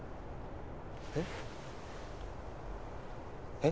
えっ？